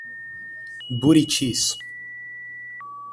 Buritis